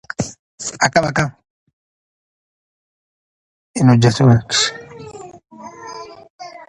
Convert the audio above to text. In rare cases, honorary membership is extended to highly distinguished individuals.